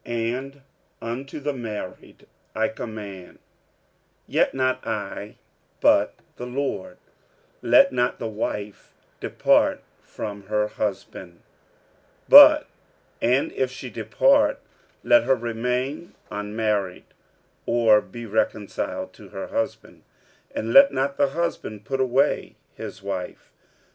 46:007:010 And unto the married I command, yet not I, but the Lord, Let not the wife depart from her husband: 46:007:011 But and if she depart, let her remain unmarried or be reconciled to her husband: and let not the husband put away his wife.